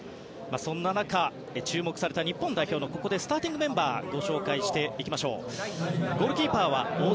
そんな中注目された日本代表のスターティングメンバーをご紹介していきましょう。